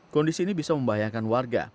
kondisi ini bisa membahayakan warga